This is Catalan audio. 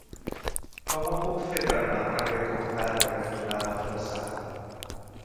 Com ho puc fer per anar al carrer Cortada cantonada Flaçà?